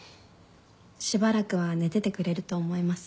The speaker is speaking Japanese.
しばらくは寝ててくれると思います。